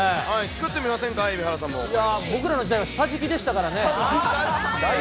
作ってみませんか、蛯原さん僕らの時代は下敷きでしたからね。